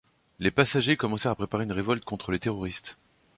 Les passagers commencèrent à préparer une révolte contre les terroristes.